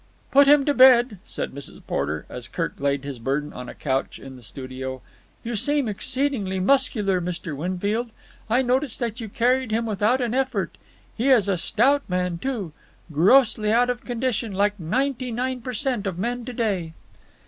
"Put him to bed," said Mrs. Porter, as Kirk laid his burden on a couch in the studio. "You seem exceedingly muscular, Mr. Winfield. I noticed that you carried him without an effort. He is a stout man, too. Grossly out of condition, like ninety nine per cent of men to day."